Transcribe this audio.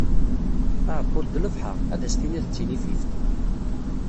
Aɛebbuḍ d lebḥar, ad as-tiniḍ d tinifift.